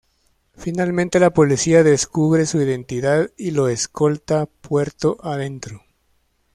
Finalmente la policía descubre su identidad y lo escolta puerto adentro.